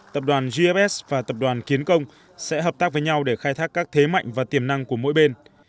tập đoàn gfs và tập đoàn kiến công sẽ hợp tác với nhau để khai thác các thế mạnh và tiềm năng của mỗi bên